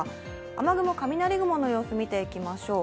雨雲、雷雲の様子を見ていきましょう。